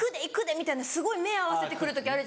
みたいなすごい目合わせて来る時ある。